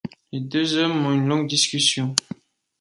Les deux hommes ont une longue discussion.